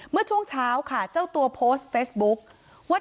เมื่อช่วงเช้าค่ะเจ้าตัวโพสต์เฟซบุ๊คว่า